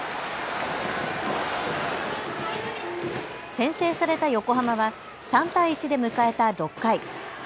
先制された横浜は３対１で迎えた６回。